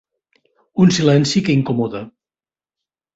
Un silenci que incomoda.